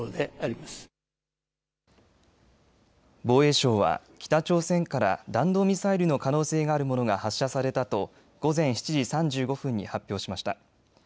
防衛省は北朝鮮から弾道ミサイルの可能性があるものが発射されたと午前７時３５分に発表しました。